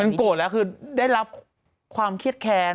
โกรธแล้วคือได้รับความเครียดแค้น